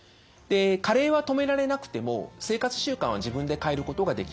加齢は止められなくても生活習慣は自分で変えることができます。